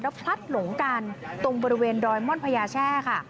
พลัดหลงกันตรงบริเวณดอยม่อนพญาแช่ค่ะ